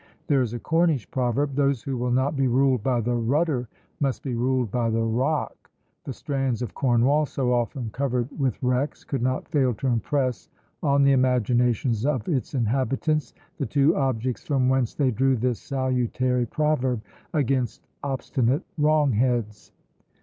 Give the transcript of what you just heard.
There is a Cornish proverb, "Those who will not be ruled by the rudder must be ruled by the rock" the strands of Cornwall, so often covered with wrecks, could not fail to impress on the imaginations of its inhabitants the two objects from whence they drew this salutary proverb against obstinate wrongheads.